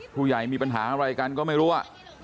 ผู้ใหญ่มีปัญหาอะไรกันก็ไม่รู้อ่ะ